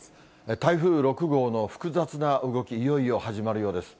台風６号の複雑な動き、いよいよ始まるようです。